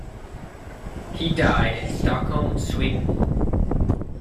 He died in Stockholm, Sweden.